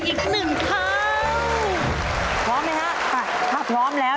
อีกแล้ว